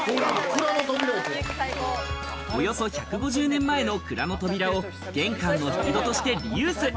およそ１５０年前の蔵の扉を玄関の引き戸としてリユース。